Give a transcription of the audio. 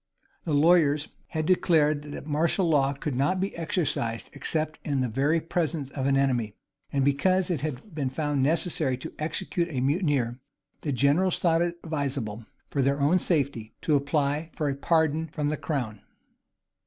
The lawyers had declared, that martial law could not be exercised, except in the very presence of an enemy; and because it had been found necessary to execute a mutineer, the generals thought it advisable, for their own safety, to apply for a pardon from the crown.